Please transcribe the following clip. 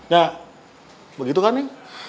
ya begitu kan nih